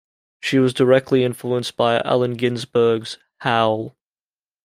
She was directly influenced by Allen Ginsberg's "Howl".